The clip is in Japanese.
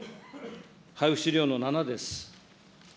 配布資料の７です。